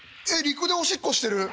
陸でおしっこしてる。